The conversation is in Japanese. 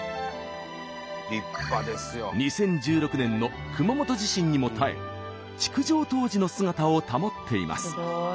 ２０１６年の熊本地震にも耐え築城当時の姿を保っています。